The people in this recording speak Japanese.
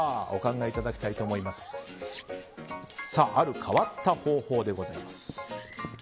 ある変わった方法でございます。